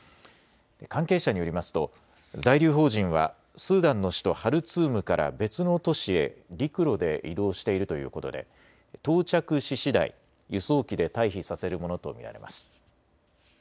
関係者によりますと在留邦人はスーダンの首都ハルツームから別の都市へ陸路で移動しているということで到着ししだい輸送機で退避させるものと見られます。